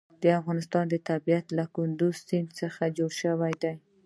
د افغانستان طبیعت له کندز سیند څخه جوړ شوی دی.